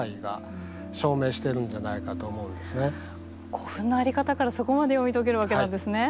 古墳のあり方からそこまで読み解けるわけなんですね。